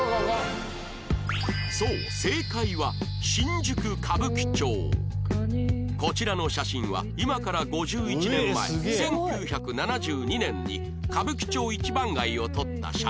そうこちらの写真は今から５１年前１９７２年に歌舞伎町一番街を撮った写真